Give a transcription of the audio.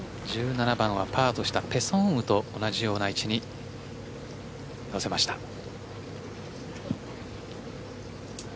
１７番はパーとしたペ・ソンウと同じような位置に乗せました。